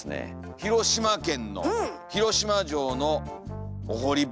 広島県の広島城のお堀端。